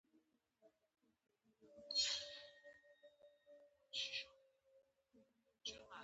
څونه ياغي يې صدقه دي سمه